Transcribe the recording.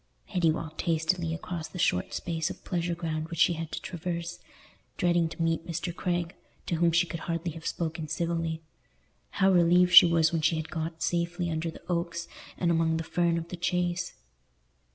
Hetty walked hastily across the short space of pleasure ground which she had to traverse, dreading to meet Mr. Craig, to whom she could hardly have spoken civilly. How relieved she was when she had got safely under the oaks and among the fern of the Chase!